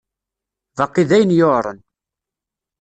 Baqi d ayen yuɛren.